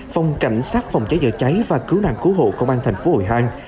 phòng cảnh sát phòng cháy dở cháy và cứu nạn cứu hộ công an thành phố hội hàng